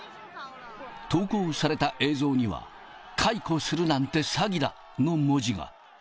投稿された映像には、解雇するなんて詐欺だの文字が。